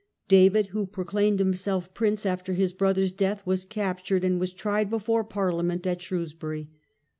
David, who proclaimed himself prince after his brother's death, was captured, and was tried before Parliament at Shrewsbury.